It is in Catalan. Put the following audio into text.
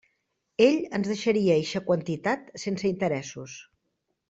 Ell ens deixaria eixa quantitat sense interessos.